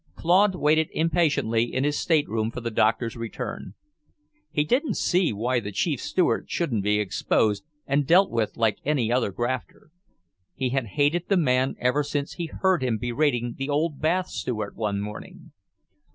Claude waited impatiently in his stateroom for the doctor's return. He didn't see why the Chief Steward shouldn't be exposed and dealt with like any other grafter. He had hated the man ever since he heard him berating the old bath steward one morning.